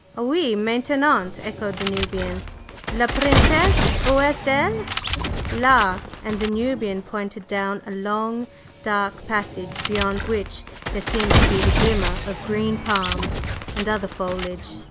"Oui, maintenant," echoed the Nubian. "La Princesse, où est elle?" "Là!" and the Nubian pointed down a long, dark passage beyond which there seemed to be the glimmer of green palms and other foliage.